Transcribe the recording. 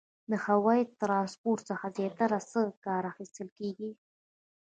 د هوایي ترانسپورتي څخه زیاتره څه کار اخیستل کیږي؟